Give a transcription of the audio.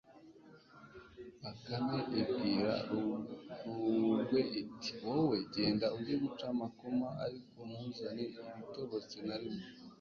bakame ibwira rugwe iti 'wowe genda ujye guca amakoma, ariko ntuzane iritobotse na rimwe